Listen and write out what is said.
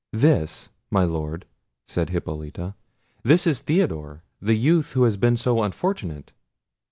"This! my Lord," said Hippolita; "this is Theodore, the youth who has been so unfortunate."